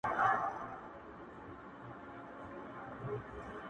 سپوږمۍ په لپه کي هغې په تماسه راوړې’